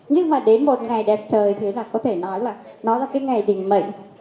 nhưng mà đến một ngày đẹp trời thế là có thể nói là nó là cái ngày đỉnh mệnh